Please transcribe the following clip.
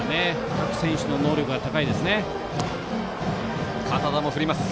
各選手の能力が高いですね。